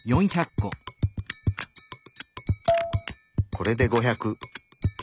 これで５００。